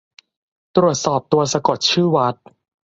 ตรวจสอบตัวสะกดชื่อวัด